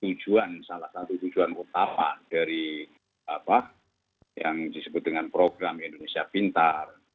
tujuan salah satu tujuan utama dari apa yang disebut dengan program indonesia pintar